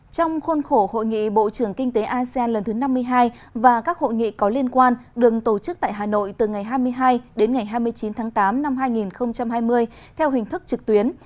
trong khuôn khổ hội nghị bộ trưởng kinh tế asean lần thứ năm mươi hai và các hội nghị có liên quan đường tổ chức tại hà nội từ ngày hai mươi hai đến ngày hai mươi chín tháng tám năm hai nghìn hai mươi theo hình thức trực tuyến